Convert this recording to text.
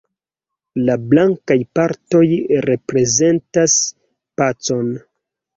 La blankaj partoj reprezentas pacon.